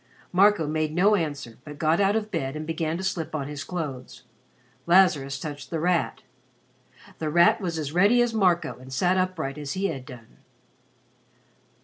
Marco made no answer but got out of bed and began to slip on his clothes. Lazarus touched The Rat. The Rat was as ready as Marco and sat upright as he had done.